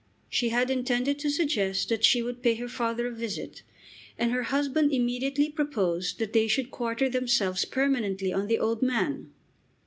She had intended to suggest that she would pay her father a visit, and her husband immediately proposed that they should quarter themselves permanently on the old man!